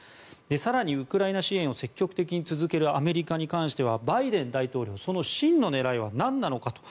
更に、ウクライナ支援を積極的に続けるアメリカに関してはバイデン大統領その真の狙いはなんなのかと。